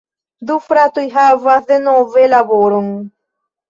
Du fratoj havas denove laboron.